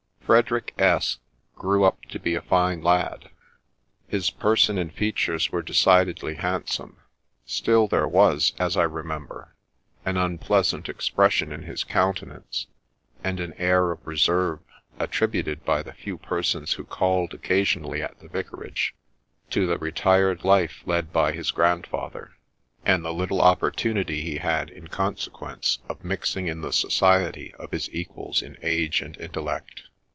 Frederick S grew up. to be a fine lad ; his person and features were decidedly handsome ; still there was, as I remember, an unpleasant expression in his coun tenance, and an air of reserve, attributed, by the few persons who called occasionally at the vicarage, to the retired life led by his grandfather, and the little opportunity he had, in consequence, of mixing in the society of his equals in age and intellect.